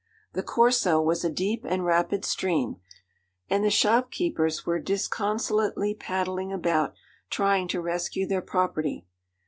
The Corso was a deep and rapid stream, and the shopkeepers were disconsolately paddling about, trying to rescue their property.